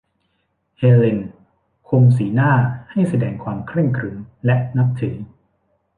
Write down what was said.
เฮเลนคุมสีหน้าให้แสดงความเคร่งขรึมและนับถือ